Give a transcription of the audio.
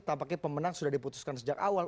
tampaknya pemenang sudah diputuskan sejak awal